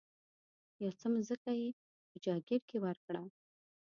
یو څه مځکه یې په جاګیر کې ورکړه.